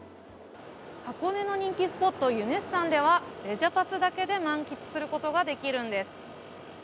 箱根の人気スポットユネッサンではレジャパス！だけで満喫することができるんです。